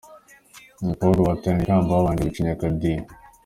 Abakobwa bahataniraga ikamba babanje gucinya akadiho.